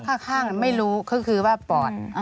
แต่ว่าข้างไม่รู้ก็คือว่าปอด